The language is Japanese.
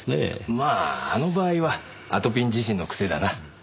まああの場合はあとぴん自身の癖だな。